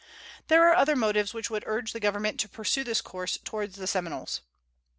There are other motives which would urge the Government to pursue this course toward the Seminoles.